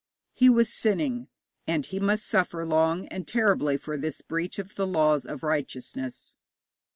He was sinning, and he must suffer long and terribly for this breach of the laws of righteousness.